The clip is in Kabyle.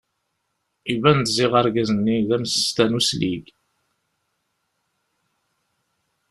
Iban-d ziɣ argaz-nni d amsestan uslig.